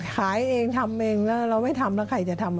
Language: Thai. ขายเองทำเองแล้วเราไม่ทำแล้วใครจะทำ